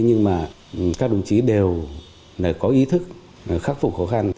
nhưng mà các đồng chí đều có ý thức khắc phục khó khăn